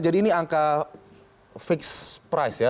jadi ini angka fixed price ya